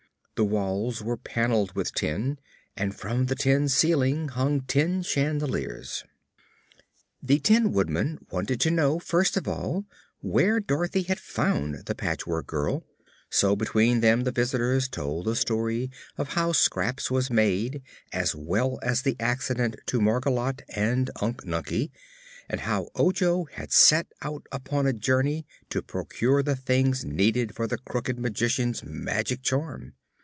The walls were paneled with tin and from the tin ceiling hung tin chandeliers. The Tin Woodman wanted to know, first of all, where Dorothy had found the Patchwork Girl, so between them the visitors told the story of how Scraps was made, as well as the accident to Margolotte and Unc Nunkie and how Ojo had set out upon a journey to procure the things needed for the Crooked Magician's magic charm.